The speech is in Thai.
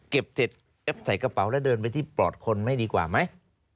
เสร็จเอฟใส่กระเป๋าแล้วเดินไปที่ปลอดคนไม่ดีกว่าไหม